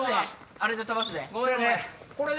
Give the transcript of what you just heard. あれで跳ばすで。